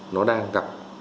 nó đang gặp